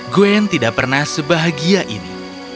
gwen tidak pernah sebahagia ini